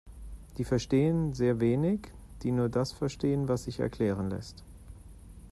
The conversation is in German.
Die verstehen sehr wenig, die nur das verstehen, was sich erklären lässt.